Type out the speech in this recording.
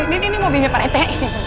ini ini mobilnya pak rete